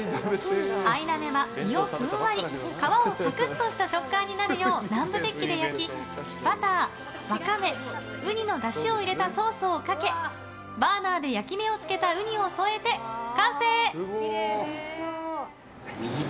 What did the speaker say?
アイナメは身をふんわり皮をサクッとした食感になるよう南部鉄器で焼きバター、ワカメ、ウニのだしを入れたソースをかけバーナーで焼き目をつけたウニを添えて完成。